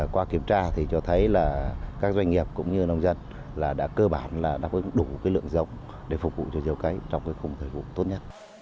qua kiểm tra thì cho thấy là các doanh nghiệp cũng như nông dân đã cơ bản đủ lượng giống để phục vụ cho nhiều cây trong khung thời vụ tốt nhất